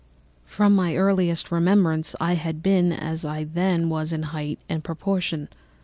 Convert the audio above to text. From my earliest remembrance I had been as I then was in height and proportion.